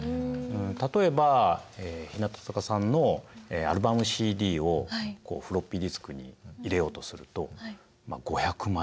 例えば日向坂さんのアルバムＣＤをフロッピーディスクに入れようとするとまあ５００枚。